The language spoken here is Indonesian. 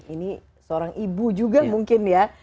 ini seorang ibu juga mungkin ya